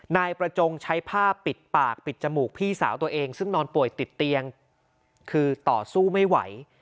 นายประจงใช้ผ้าปิดปากปิดจมูกพี่สาวตัวเองซึ่งนอนป่วยติดเตียงคือต่อสู้ไม่ไหว